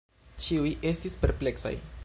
Ĉiuj estis perpleksaj.